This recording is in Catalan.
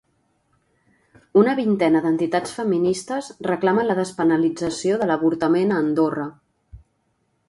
Una vintena d'entitats feministes reclamen la despenalització de l'avortament a Andorra.